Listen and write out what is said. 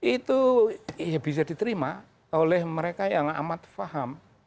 itu bisa diterima oleh mereka yang amat paham